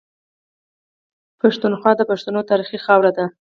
پښتونخوا د پښتنو تاريخي خاوره ده.